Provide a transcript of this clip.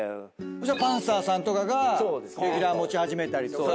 そしたらパンサーさんとかがレギュラー持ち始めたりとか。